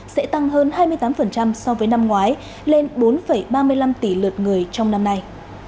sẽ tăng hơn hai mươi tám so với năm ngoái lên bốn ba mươi năm tỷ lượt người trong năm nay